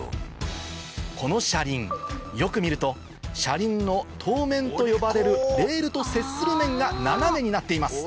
この車輪よく見ると車輪の踏面と呼ばれるレールと接する面が斜めになっています